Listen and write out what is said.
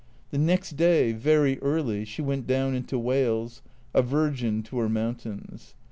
The next day, very early, she went down into Wales, a virgin to her mountains.